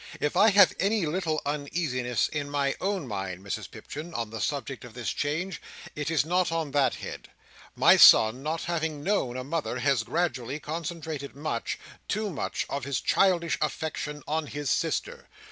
If I have any little uneasiness in my own mind, Mrs Pipchin, on the subject of this change, it is not on that head. My son not having known a mother has gradually concentrated much—too much—of his childish affection on his sister.